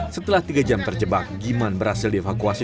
setelah tiga jam terjebak giman berhasil dievakuasi